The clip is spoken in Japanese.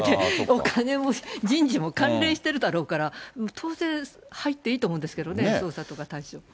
お金も人事も関連しているだろうから、当然入っていいと思うんですけどね、捜査とか対象に。